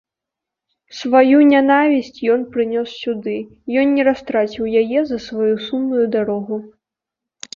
Сваю нянавісць ён прынёс сюды, ён не растраціў яе за сваю сумную дарогу.